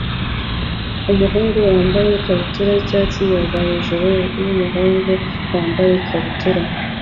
umuhungu wambaye ikabutura yicyatsi yoga hejuru yumuhungu wambaye ikabutura